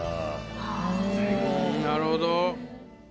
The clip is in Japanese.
なるほど。